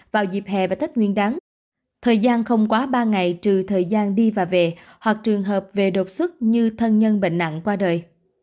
vào dịp hè và tết nguyên đáng thời gian không quá ba ngày trừ thời gian đi và về hoặc trường hợp về đột xuất như thân nhân bệnh nặng qua đời